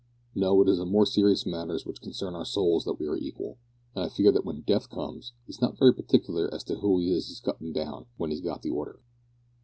No, it is in the more serious matters that concern our souls that we are equal, and I fear that when Death comes, he's not very particular as to who it is he's cuttin' down when he's got the order."